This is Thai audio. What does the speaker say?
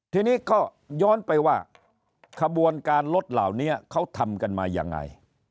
ทีนี้ก็ย้อนไปว่าขบวนการรถเหล่านี้เขาทำกันมายังไง